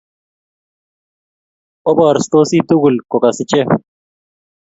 Obarastochi tugul ko kas ichek